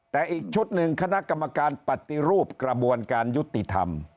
แต่อีกชุดหนึ่งคณะกรรมการปฏิรูปกระบวนการยุติธรรม